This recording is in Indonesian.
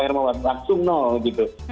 karena berusung di titik